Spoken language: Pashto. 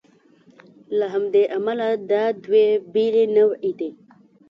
له همدې امله دا دوې بېلې نوعې دي.